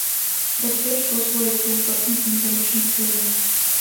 Скрозь вечка ў слоік быў уторкнуты металічны стрыжань.